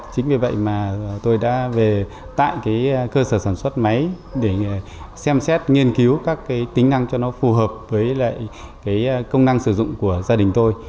chính vì vậy mà tôi đã về tại cái cơ sở sản xuất máy để xem xét nghiên cứu các cái tính năng cho nó phù hợp với lại cái công năng sử dụng của gia đình tôi